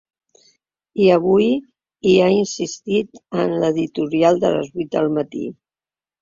I avui hi ha insistit en l’editorial de les vuit del matí.